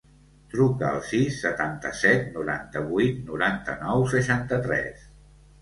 Truca al sis, setanta-set, noranta-vuit, noranta-nou, seixanta-tres.